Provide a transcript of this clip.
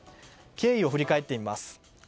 経緯を振り返ってみます。